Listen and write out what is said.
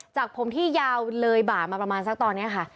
จากผมที่ยาวเลยบ่ามาประมาณสักตอนนี้ค่ะ